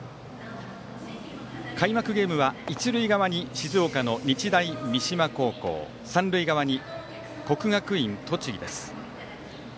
開幕ゲームは一塁側に静岡の日大三島高校三塁側に国学院栃木です。